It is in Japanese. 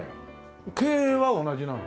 経営は同じなの？